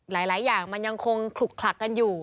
หลายอย่างมันยังคงขลุกขลักกันอยู่